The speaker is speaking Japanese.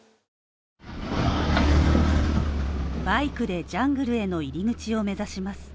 バイクでジャングルへの入り口を目指します。